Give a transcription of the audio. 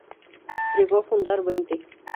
Llegó a fundar veinte.